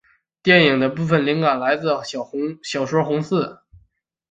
电影的部份灵感是来自小说红字。